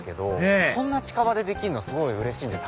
へぇこんな近場でできるのすごいうれしい！